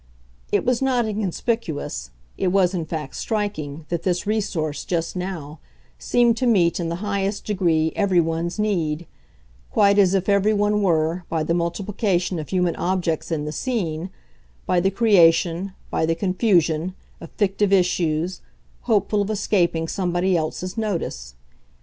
It was not inconspicuous, it was in fact striking, that this resource, just now, seemed to meet in the highest degree every one's need: quite as if every one were, by the multiplication of human objects in the scene, by the creation, by the confusion, of fictive issues, hopeful of escaping somebody else's notice.